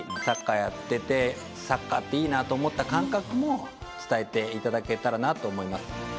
サッカーやっててサッカーっていいなと思った感覚も伝えて頂けたらなと思います。